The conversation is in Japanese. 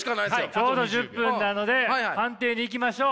ちょうど１０分なので判定にいきましょう。